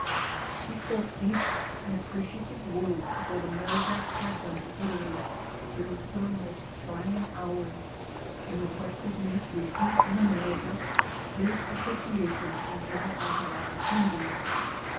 He spoke deep and appre ciative words of what America had done for Italy during her most trying hours, and requested me to repeat in America his appreciation whenever I had opportunity.